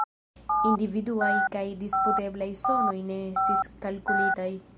Individuaj kaj disputeblaj sonoj ne estis kalkulitaj.